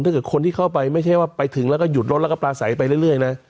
ถ้าเกิดคนที่เข้าไปไม่ใช่ว่าไปถึงแล้วก็หยุดรถแล้วก็ปลาใสไปเรื่อยนะ